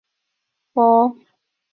她有个自小感情就很好的表弟